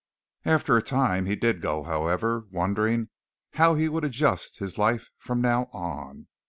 After a time he did go, however, wondering how he would adjust his life from now on.